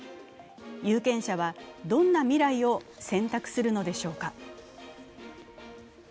有権者はどんな未来を選択するのでしょうか？